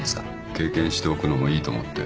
経験しておくのもいいと思って。